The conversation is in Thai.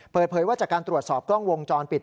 เปิดเผยว่าจากการตรวจสอบกล้องวงจรปิด